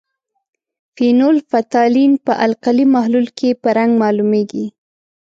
فینول فتالین په القلي محلول کې په رنګ معلومیږي.